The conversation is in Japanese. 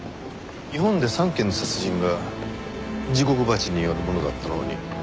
日本で３件の殺人がジゴクバチによるものだったのに。